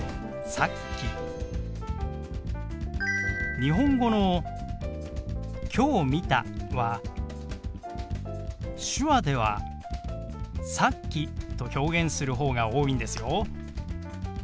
日本語の「きょう見た」は手話では「さっき」と表現するほうが多いんですよ。